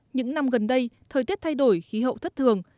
những năm gần đây thời tiết thay đổi khí hậu thất thường